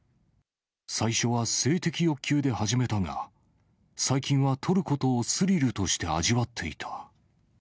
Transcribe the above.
最初は性的欲求で始めたが、最近は撮ることをスリルとして味わっていた。